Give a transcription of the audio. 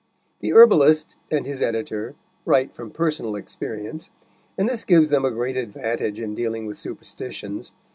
The herbalist and his editor write from personal experience, and this gives them a great advantage in dealing with superstitions.